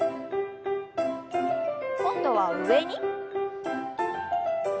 今度は上に。